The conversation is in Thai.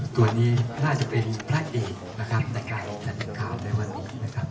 ส่วนนี้น่าจะเป็นพระเอกนะครับในการแถลงข่าวในวันนี้นะครับ